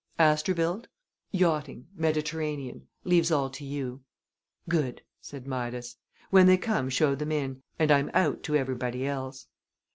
"Asterbilt?" "Yachting. Mediterranean. Leaves all to you." "Good!" said Midas. "When they come show them in, and I'm out to everybody else."